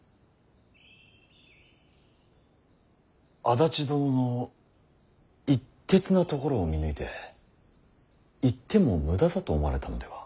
足立殿の一徹なところを見抜いて言っても無駄だと思われたのでは。